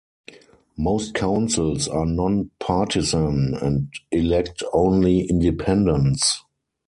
Most councils are non-partisan and elect only independents.